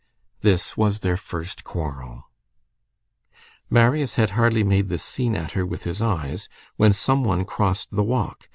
This was "their first quarrel." Marius had hardly made this scene at her with his eyes, when some one crossed the walk.